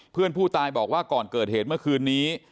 เพื่อนผู้ตายบอกว่าก่อนเกิดเหตุเมื่อคืนนี้